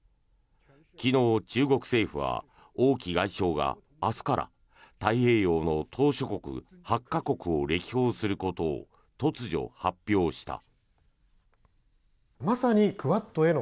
昨日、中国政府は王毅外相が明日から太平洋の島しょ国８か国を歴訪することを突如発表した。